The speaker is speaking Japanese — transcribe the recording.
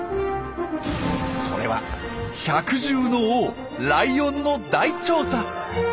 それは百獣の王ライオンの大調査！